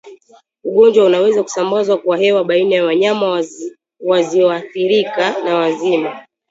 Ugonjwa unaweza kusambazwa kwa hewa baina ya wanyama wazioathirika na wazima